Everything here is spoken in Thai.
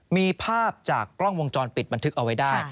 มีภาพจากกล้องวงจรปิดบันทึกเอาไว้ได้